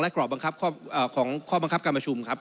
กรอบบังคับของข้อบังคับการประชุมครับ